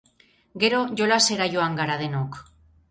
Gero jolasera joan gara denok.